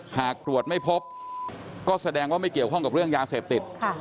หากตรวจไม่พบก็แสดงว่าไม่เกี่ยวข้องกับเรื่องยาเสพติด